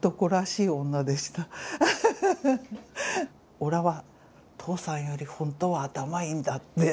おらは父さんより本当は頭いいんだって言ってたんですよ。